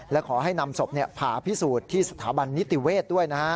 และขอให้นำศพผ่าพิสูจน์ที่สถาบันนิติเวศด้วยนะฮะ